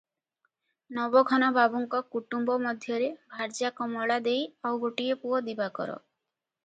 ନବଘନ ବାବୁଙ୍କ କୁଟୂମ୍ବ ମଧ୍ୟରେ ଭାର୍ଯ୍ୟା କମଳା ଦେଈ ଆଉ ଗୋଟିଏ ପୁଅ ଦିବାକର ।